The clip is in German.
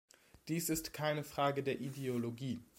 Dies ist keine Frage der Ideologie.